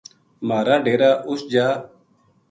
مھارا ڈیرا اس جا